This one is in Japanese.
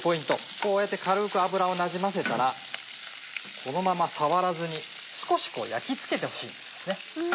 こうやって軽く油をなじませたらこのまま触らずに少し焼きつけてほしいんですね。